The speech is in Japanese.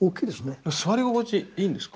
座り心地いいんですか？